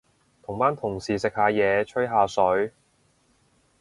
同班同事食下嘢，吹下水